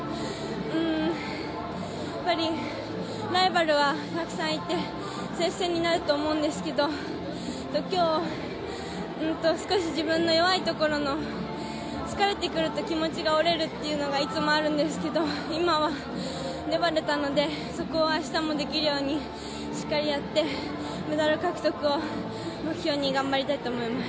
やっぱりライバルはたくさんいて接戦になると思うんですけど今日、少し自分の弱いところの、疲れてくると気持ちが折れるっていうのがいつもあるんですけど今は粘れたので、そこは明日もできるようにしっかりやってメダル獲得を目標に頑張りたいと思います。